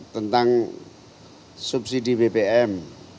tentang subsidi bpm